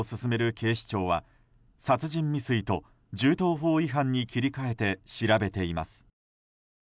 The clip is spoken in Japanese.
警視庁は殺人未遂と銃刀法違反に切り替えて調べています。